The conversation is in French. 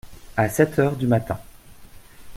À sept heures du matin.